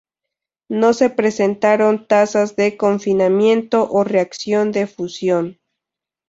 No se presentaron tasas de confinamiento o reacción de fusión.